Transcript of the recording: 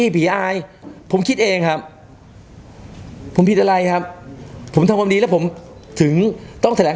ผีอายผมคิดเองครับผมผิดอะไรครับผมทำความดีแล้วผมถึงต้องแถลง